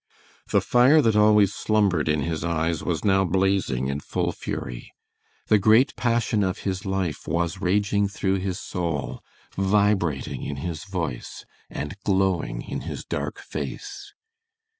The fire that always slumbered in his eyes was now blazing in full fury. The great passion of his life was raging through his soul, vibrating in his voice, and glowing in his dark face.